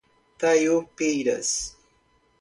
Taiobeiras